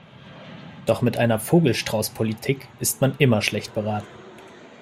Doch mit einer Vogel-Strauß-Politik ist man immer schlecht beraten.